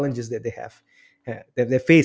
mungkin pada suatu saat